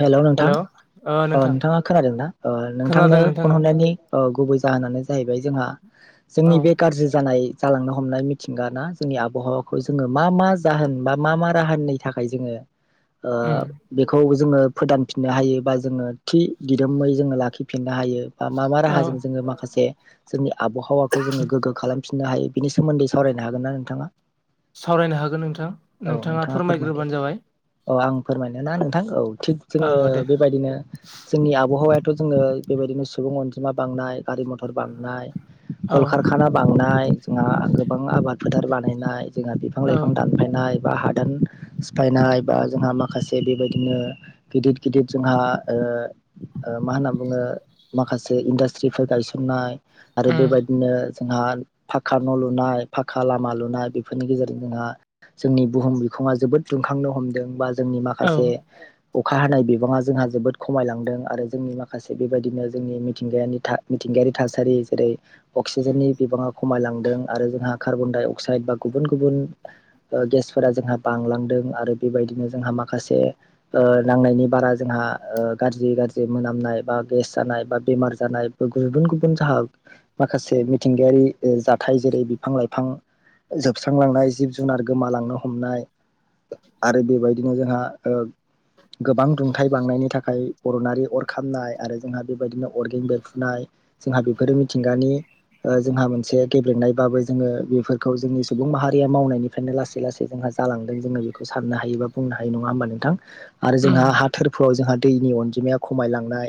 हेल' नोंथां। ओ नोंथाङा खोनादोंना ओ नोंथांनो खोनादों नोंथां फन औ हरनायनि ओ गुबै जाहोनानो जाहैबाय जोंहा औ जोंनि बे गाज्रि जानाय‌ जालांनो हमनाय मिथिंगाना जोंनि आबहावाखौ जोङो मा मा जाहोन बा मा मा राहानि थाखाय जोङो ओ उम बेखौ जोङो फोदानफिननो हायो बा जोङो थि दिदोमै जोङो लाखिफिननो हायो ओ मा मा औ राहाजों जोङो माखासे जोंनि आबहावाखौ जोङो गोग्गो खालाम फिननो हायो बिनि सोमोन्दै सावरायनो हागोन ना नोंथाङा। सावरायनो हागोन नोंथां नोंथाङा फोरमायग्रोबानो जाबाय। ओ आं फोरमायनो ना नोंथां औ थिग औ जोङो दे बेबायदिनो जोंनि आबहावा थ' जोङो बेबायदिनो सुबुं अनजिमा बांनाय गारि मथर बांनाय औ कलकारखाना बांनाय जोंहा गोबां आबाद फोथार बानायनाय जोंहा बिफां औ लाइफां दानफायनाय बा हादान सिफायनाय बा जोंहा माखासे बेबायदिनो गिदद गिदिर जोंहा ओ ओ मा होनना बुङो ओ माखासे इनदास्ट्रि गायसनाय आरो उम बेबायदिनो जोंहा पाक्का न लु लुनाय पाक्का लामा लुनाय बेफोरनि गेजेरजों जोंहा जोंनि बुहुम बिखुंआ जोबोद दुंखांनो हम दों बा जोंनि औ माखासे अखा हानाय बिबाङा जोंहा जोबोद खमायलांदों आरो जोंनि माखासे बेबायदिनो जोंनि मिथिंगायानि था थिंगायारि थासारि जेरै अक्सिजेननि बिबाङा खमायलांदों आरो जोंहा कार्बन डाइ अक्साइड बा गुबुन गुबुन गेसफोरा जोंहा बांलांदों आरो बेबायदिनो जोंहा माखासे ओ नांनायनि बारा जोंहा ओ गाज्रि गाज्रि मोनामनाय बा गेस जानाय बा बेमार जानाय बा गुबुन गुबुन जाहा माखासे मिथिंगायारि ओ जाथाय जेरै बिफां लाइफां जोबस्रांलांनाय जिब जुनार गोमालांनो हमनाय आरो बेबायदिनो जोंहा ओ गोबां दुंथाय बांनायनि था खाय अर'नारि अर खामनाय आरो जोंहा बेबायदिनो अरगें बेरफुनाय जोंहा बेफोरो मिथिंगानि ओ जोंहा मोनसे गेब्रेंनायबाबो जोङो बेफोरखौ जोंनि सुबुं माहारिया मावनायनिफ्रायनो लासै लासै जोंहा जालांदों जोङो बेखौ साननो हायो बा बुंनो हायो नङा होनबा नोंथां आरो उम जोंहा हा थोरफोआव जोंहा दैनि अनजिमाया खमायलांनाय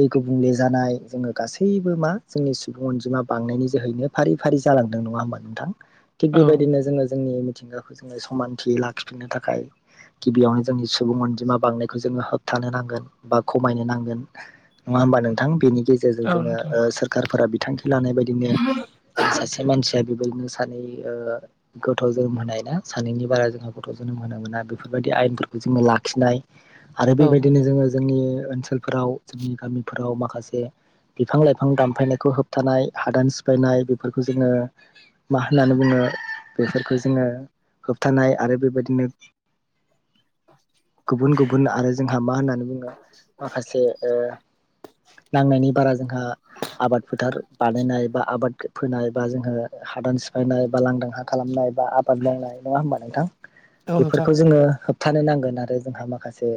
दै गुबुंले जानाय जोङो गासैबो मा जोंनि सुबुं अन जिमा बांनायनि जोहैनो फारि फारि जालांदों नङा होमबा नोंथां। थिग औ बेबायदिनो जोङो जोंनि मिथिंगाखौ जोङो समानथियै लाखि खिनो थाखाय गिबियावनो जोंनि सुबुं अनजिमा बांनायखौ जोङो होबथानो नांगोन बा खमायनो नांगोन। गोन नङा होनबा नोंथां बे गेजेरजों औ जोङो नोंथां सोरखारफोरा बिथांखि लानाय बायदिनो सासे मानसिया बेबायदिनो सानै ओ गथ' जोनोम होनाय ना सानैनि बारा जोंहा गथ' जोनोम होनो मोना बेफोरबायदि आयेनफोरखौ जोङो लाखिनाय आरो औ बेबायदिनो जोङो जोंनि ओनसोलफोराव जोंनि गामिफोराव माखासे बिफां लाइफां दानफायनायखौ होबथानाय हादान सिफायनाय बेफोरखौ जोङो मा होननानै बुङो? बेफोरखौ जोङो होबथानाय आरो बेबायदिनो गुबुन गुबुन आरो जोंहा मा होननानै बुङो माखासे नांनायनि बारा जोंहा आबाद फोथार बानायनाय बा आबाद फोनाय बा जोङो हादान सिफायनाय बा लांदां हा खालामनाय बा आबाद मावनाय नङा होमबा नोंथां। औ नोंथां बेफोरखौ जोङो होबथानो नांगोन आरो जोंहा माखासे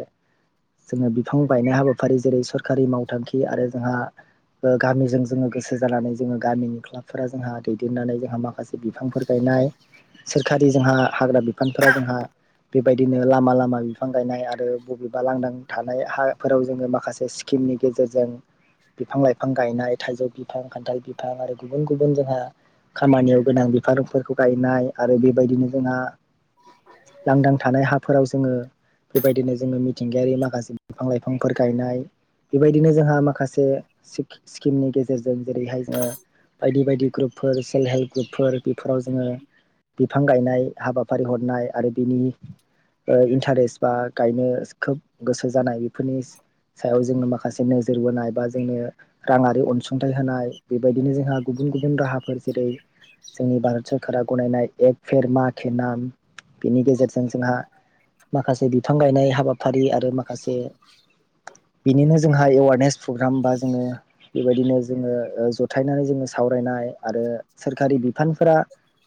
जोङो बिफां गायनाय हाबाफारि जेरै सरखारि मावथांखि आरो जोंहा ओ गामिजों जोङो गोसो जानानै जोङो गामिनि क्लाबफोरा जोंहा दैदेननानै जोंहा माखासे बिफांफोर गाय नाय सोरखारि जोंहा हाग्रा बिफानफोरा जोंहा बेबायदिनो लामा लामा बिफां गायनाय आरो बबेबा लांदां थानाय हाफोराव जोङो माखासे स्कि मनि गेजेरजों बिफां लाइफां गायनाय थाइजौ बिफां खान्थाल बिफां आरो गुबुन गुबुन जोंहा खामानियाव गोनां बिफांफोरखौ गायनाय आरो बेबायदिनो जोंहा लांदां थानाय हाफोराव जोङो बेबायदिनो जोङो मिथिंगायारि माखासे बिफां लाइफांफोर गायनाय बेबायदिनो जोंहा माखासे स्कि- स्किमनि गेजेरजों जेरैहाय जोङो बायदि बायदि ग्रुपफोर सेल्फ हेल्प ग्रुपफोर बेफोराव जोङो बिफां गायनाय हाबाफारि हर नाय आरो बिनि ओ इन्टारेस्ट बा गायनो खोब गोसो जानाय बेफोरनि सायाव जोंनो माखासे नोजोर बोनाय बा जोंनो राङारि अनसुंथाइ होनाय बेबायदिनो जोंहा गुबुन गुबुन गुबुन राहाफोर जेरै जोंनि भारत सरकारा गनायनाय एक फेर मा केे नाम बेनि गेजेरजों जोंहा माखासे बिफां गायनाय हाबाफारि आरो माखासे बिनिनो जोंहा एवारनेस प्रग्राम बा जोङो बेबायदिनो जोङो जथायनानै जोङो सावरायनाय आरो सोरखारि बिफानफोरा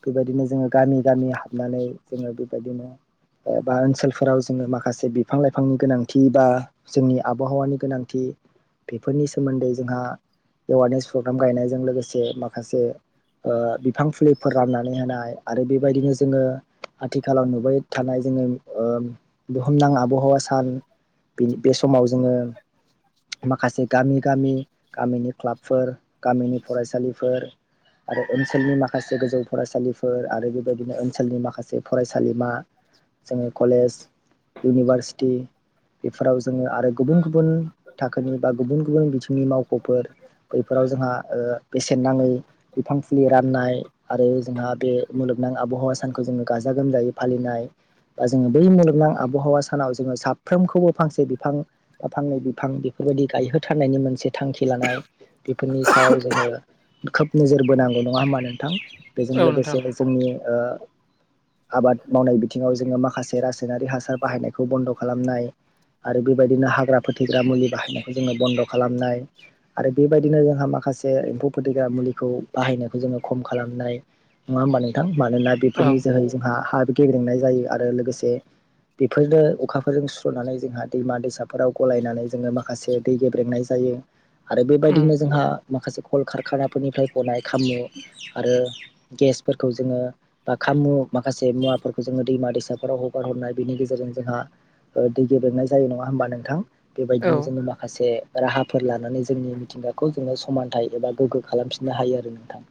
बेबायदिनो जोङो गामि गामि हाबनानै जोङो बेबायदिनो बा ओनसोलफोराव जोङो माखासे बिफां लाइफांनि गोनांथि बा जोंनि आबहावानि गोनांथि बेफोरनि सोमोन्दै जोंहा एवारनेस प्रग्राम गायनायजों लोगोसे माखासे ओ बिफां फुलिफोर राननानै होनाय आरो बेबायदिनो जोङो आथिखालाव नुबाय थानाय जोङो ओ बुहुमनां आबहावा सान बि बे समाव जोङो माखासे गामि गामि गामिनि क्लाबफोर गामिनि फरायसालिफोर आरो ओनसोलनि माखासे गोजौ फरायसालिफोर आरो बेबायदिनो ओनसोलनि माखासे फरायसालिमा जोङो कलेज इउनिभारसिटि बेफोराव जोङो आरो गुबुन गुबुन थाखोनि बा गुबुन गुबुन बिथिंनि मावख'फोर बैफोराव जोंहा ओ बेसेन नाङै बिफां फुलि राननाय आरो जोंहा बे मुलुग नां आबहावा सानखौ जोङो गाजा गोमजायै फालिनाय बा जोङो बै मुलुगनां आबहावा सानाव जोङो साफ्रोमखौबो फांसे बिफां बा फांनै बिफां बेफोर बेबायदि गायहोथारनायनि मोनसे थांखि लानाय। बेफोरनि सायाव जोङो खोब नोजोर बोनांगौ नङा होमा नोंथां। बेजों औ नोंथां लोगोसे जोंनि ओ आबाद मावनाय बिथिङाव जोङो माखासे रासायनारि हासार बाहायनायखौ बन्द' खालामनाय। आरो बेबायदिनो हाग्रा फोथिग्रा मुलि बाहायनायखौ जोङो बन्द' खालामनाय आरो बेबायदिनो जोंहा माखासे माखासे एम्फौ फोदैग्रा मुलिखौ बाहायनायखौ जोङो खम खालामनाय। नङा होमबा नोंथां, मानोना औ बेफोरनि जोहै जोंहा हा गेब्रेंनाय जायो आरो लोगोसे बेफोरनो अखाफोरजों सुस्र'नानै जोंहा दैमा दैसाफोराव गलायनानै जोङो माखासे दै गेब्रेंनाय जायो बियो आरो उम बेबायदिनो जोंहा माखासे कल कारखानाफोरनिफ्राय गनाय खामु आरो गेस फोरखौ जोङो ब खामु माखासे मुवाफोरखौ जोङो दैमा दैसाफोराव हगार हरनाय बेनि गेजेरजों जोंहा दै गेबेंनाय जायो नङा होमबा नोंथां औ बेबायदिनो जोङो मा माखासे राहाफोर लानानै जोंनि मिथिंगाखौ जोङो समानथाइ एबा गोग्गो खालामफिननो हायो आरो नोंथां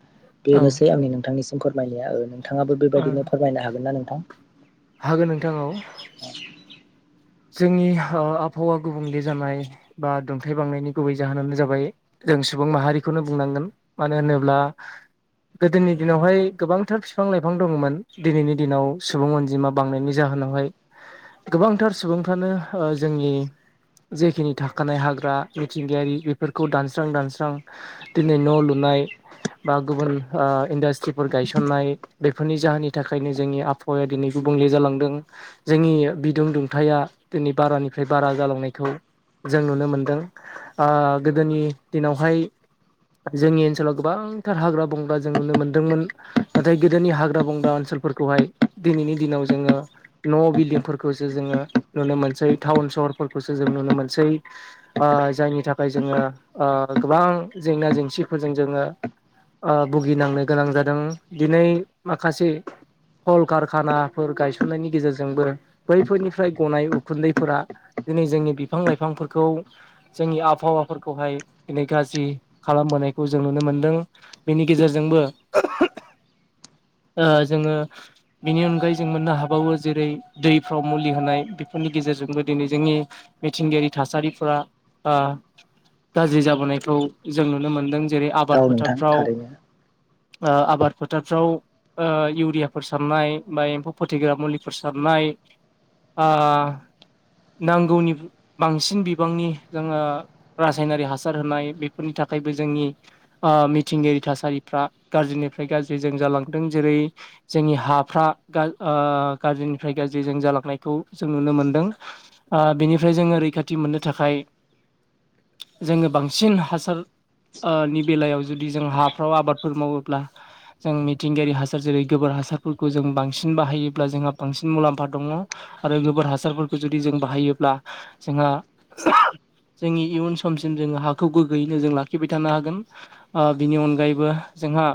औ बेनोसै आंनि नोंथांनिसिम फोरमायनाया नोंथाङाबो ओ बेबायदिनो फोरमायनो हागोन ना नोंथां हागोन नोंथां औ जोंनि आबहावा गुबुंले जानाय बा दुंथाइ बांनायनि गुबै जाहोनानो जाबाय जों सुबुं माहारिखौनो बुंनांगोन मानो होनोब्ला गोदोनि दिनावहाय गोबांथार बिफां लाइफां दङमोन दिनैनि दिनाव सुबुं अनजिमा बांनायनि जाहोनाव जनावहाय गोबांथार सुबुंफ्रानो जोंनि जेखिनि थाखानाय हाग्रा मिथिंगायारि बेफोरखौ दानस्रां दानस्रां दिनै न' लुनानै बा गुबुन इन्डास्ट्रिफोर गायसननाय बेफोरनि जाहोननि थाखायनो जोंनि आफ आबहावाया दिनै गुबुंले जालांदों जोंनि बिदुं दुं दुंथाया दिनै बारानिफ्राय बारा जालांनायखौ जों नुनो मोनदों गोदोनि दिनावहाय जोंनि ओनसोलाव गोबांथार हाग्रा बंग्रा जों नुनो मोन्दोंमोन नाथाय गोदोनि हाग्रा बंग्रा ओनसोलाव फोरखौहाय दिनैनि दिनाव जोङो न' बिल्दिंफोरखौसो जोङो नुनो मोनसै टाउन सहरफोरखौसो जों नुनो मोनसै जायनि थाखाय जोङो गोबां जेंना जेंसिफोरजों जोङो भुगिनांनो गोनां जादों दिनै माखासे कल कारखानाफोर गायसननायनि गेजेरजोंबो बैफोरनि फफ्राय गनाय उखुन्दैफोरा दिनै जोंनि बिफां लाइफांफोरखौ जोंनि आबहावाफोरखौहाय दिनै गाज्रि खालामबोनायखौ जों नुनो मोनदों बेनि गेजेरजोंबो [inaudible] जोङो बिनि अनगायै जों मोननो हाबावो जेरै दैफ्राव मुलि होनाय बेफोरनि गेजेरजोंबो दिनै जोंनि मिथिंगायारि थासारिफोरा गाज्रि जाबोनायखौ जों नुनो मोनदों जेरै आबाद औ नोंथां फोथारफ्राव थारैनो आबाद फोथारफ्राव इउरियाफोर सारनाय बा एम्फौ फोथैग्रा मुलिफोर सारनाय आ नांगौनि बांसिन बिबांनि जोङो रासायनारि हासार होनाय बेफोरनि था खायबो जोंनि ओ मिथिंगायारि थासारिफ्रा गाज्रिनिफ्राय गाज्रि जों जालां जेरै जोंनि हाफ्रा ग्रिनिफ्राय गाज्रि जों जालांनायखौ जों मोन बेनिफ्राय जोङो रैखाथि मोननो थाखाय [inaudible] जोङो बांसिन हासार नि बेलायाव जुदि जों हाफ्राव आबादफोर मावोब्ला जों थिंगायारि हासार जेरै गोबोर हासारफोरखौ जों बांसिन बाहायोब्ला जोंहा बांसिन मुलाम्फा दङ आरो गोबा फोर हासारफोरखौ जुदि जों बाहायोब्ला जोंहा जोंनि इयुन समसिम जोङो हाखौ गोग्गोयैनो जों लाखिबाय थानो हागोन बिनि अनगायैबो जोंहा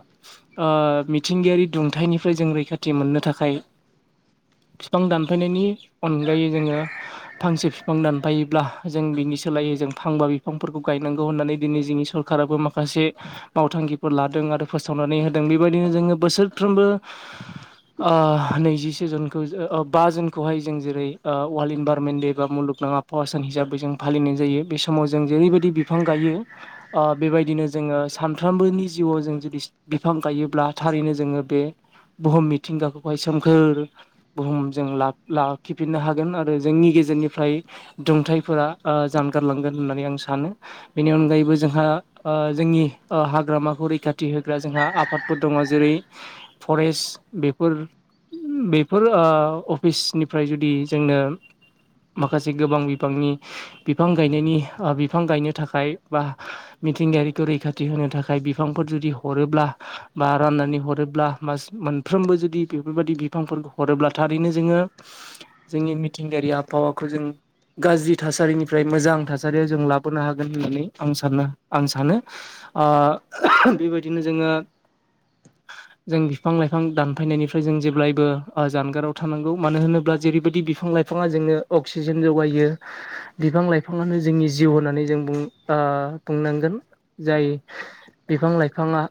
मिथिंगायारि दुंथाइनिफ्राय जों रैखाथि मोननो थाखाय [inaudible] बिफां दानफायनायनि अनगायै जोङो फांसे बिफां दानफायोब्ला जों बिनि सोलायै जों फांबा बिफांफोरखौ गायनांगौ होननानै दिनै जोंनि सरखाराबो माखासे मावथांखिफोर लादों आरो फो फोसावनानै होदों बेबायदिनो जोङो बोसोरफ्रोमबो ओ नैजिसे जुनखौ बा जुनखौहाय जों जेरै ओ वर्ल्ड इनभारमेन्ट दे बा मुलुग आबहावा सान हिसाबै जों फालिनाय जायो बे समाव जों जेरैबायदि बिफां गायो बेबायदिनो जों जोङो सानफ्रामबोनि जिउआव जों जुदि बिफां गायोब्ला थारैनो जोङो बे बुहुम मिथिंगाखौहाय सोमखोर बुहुम जों ला-लाखिफिननो हागोन आरो जोंनि गेजेराव गेजेरनिफ्राय दुंथाइफोरा जानगारलांगोन होननानै आं सानो बेनि अनगायैबो जोंहा ओ जोंनि हाग्रामाखौ रैखाथि होग्रा जोंहा आफादफोर दङ जेरै फरेस्ट बेफोर बेफोर ओ अफिसनिफ्राय जुदि जोंनो माखासे गोबां बिफांनि बिफां गायनायनि बिफां गायनो थाखाय बा मिथिंगायारिखौ रैखाथि होनो थाखाय बिफांफोर जुदि हरोब्ला बा राननानै हरोब्ला ब मोनफ्रोमबो जुदि बेफोरबायदि बिफांफोरखौ हरोब्ला थारैनो जोङो जोंनि मिथिंगायारि आबहावाखौ जों गाज्रि थासारिनिफ्राय मोजां थासारियाव जों लाबोनो हागोन होननानै आं सान आं सानो ओ बेबायदिनो जोङो [inaudible] जों बिफां-लाइफां दानफायनायनिफ्राय जों जेब्लायबो जानगाराव थानांगौ मानो होनोब्ला जेरैबायदि बि फां-लाइफाङा जोंनो अक्सिजेन जौगायो बिफां-लाइफाङानो जोंनि जिउ होननानै जों बुं ओ बुंनांगोन जाय बिफां-लाइफाङा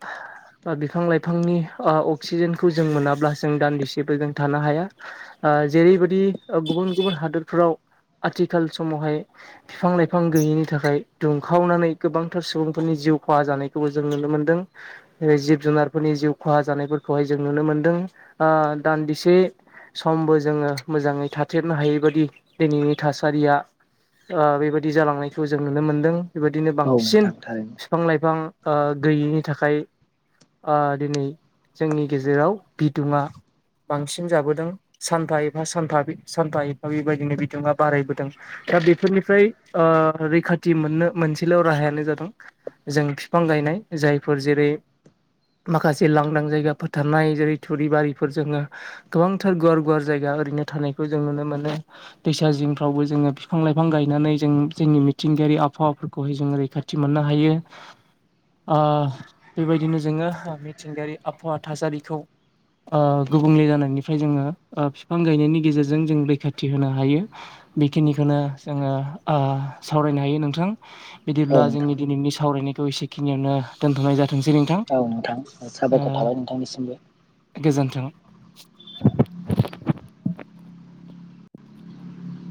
बिफां-लाइफांनि ओ अक्सिजेनखौ जों मोनाब्ला जों दान्दिसेबो जों थानो हाया ओ जेरैबायदि ओ गुबुन गुबुन हादोरफ्राव आथिखाल समावहाय बिफां-लाइफां गैयैनि थाखाय दुंखावनानै गोबांथार सुबुंफोरनि जिउ खहा जानायखौबो जों नुनो मोनदों। ओ जिब-जुनारफोरनि जिउ खहा जानायफोरखौहाय जों नुनो मोनदों। ओ दान्दिसे समबो जोङो मोजाङै थाथेरनो हायै बादि दिनैनि थासारिया ओ बेबायदि जालांनायखौ जों नुनो मोनदों। बेबायदिनो औ बांसिन नोंथां थारैनो बिफां-लाइफां ओ गैयैनि थाखाय ओ दिनै जोंनि गेजेराव बिदुङा बांसिन जाबोदों। सानफा एफा सानफा बि सानफा एफा बेबायदिनो बिथिङा बारायबोदों। दा बेफोरनिफ्राय ओ रैखाथि मोननो मोनसेल' राहायानो जादों। जों बिफां गायनाय जायफोर जेरै [inaudible] माखासे लांदां जायगाफोर थानाय जेरै थुरिबारिफोर जोङो गोबांथार गुवार गुवार जायगा ओरै नो थानायखौ जों नुनो मोनो दैसा जिंफ्रावबो जोङो बिफां-लाइफां गायनानै जों जोंनि मिथिंगायारि आबहावाफोरखौहाय जोङो रैखाथि मोननो हायो। ओ बेबायदिनो जोङो मिथिंगायारि आबहावा थासारिखौ ओ गुबुंले जानायनिफ्राय जोङो ओ बिफां गायनायनि गेजेरजों जों रैखाथि होनो हायो। बेखिनिखौनो जोङो ओ सावरायनो हायो नोंथां। औ बिदिब्ला जोंनि नोंथां दिनैनि सावरायनायखौ एसेखिनियावनो दोनथ'नाय जा औ नोंथां साबायखर थाबाय नोंथांनिसिमबो। गोजोन्थों।